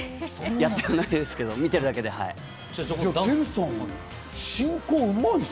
やってはないですけど、見ているだけです。